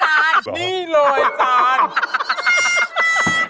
ตรงรึอาจารย์ส่งออกแล้วว่าอย่าไปนำแล้วก